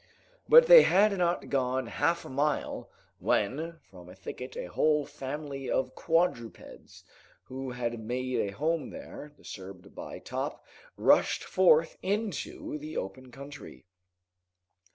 But they had not gone half a mile when from a thicket a whole family of quadrupeds, who had made a home there, disturbed by Top, rushed forth into the open country.